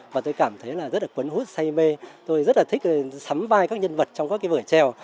và tôi cảm thấy là rất là quấn hút say mê tôi rất là thích sắm vai các nhân vật trong các cái vở trèo